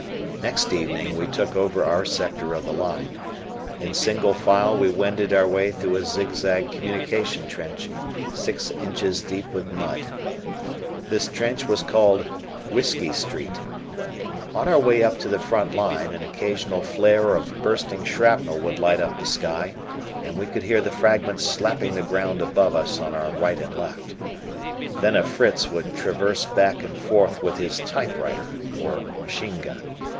Next evening, we took over our sector of the line. In single file we wended our way through a zigzag communication trench, six inches deep with mud. This trench was called "Whiskey Street." On our way up to the front line an occasional flare of bursting shrapnel would light up the sky and we could hear the fragments slapping the ground above us on our right and left. Then a Fritz would traverse back and forth with his "typewriter" or machine gun.